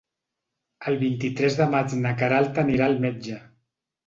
El vint-i-tres de maig na Queralt anirà al metge.